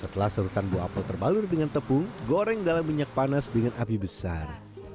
setelah serutan buah apel terbalur dengan tepung goreng dalam minyak panas dengan api besar